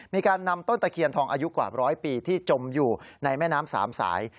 มีการนำต้นตะเคียนทองอายุกว่าร้อยปีที่จมอยู่ในแม่น้ำสามสาย